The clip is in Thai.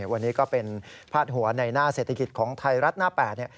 วันนี้ก็เป็นพาดหัวในหน้าเศรษฐกิจของไทยรัฐหน้า๘